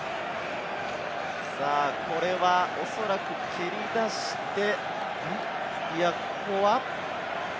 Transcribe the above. これはおそらく蹴り出して、いや、ここは。